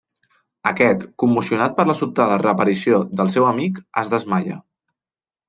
Aquest, commocionat per la sobtada reaparició del seu amic es desmaia.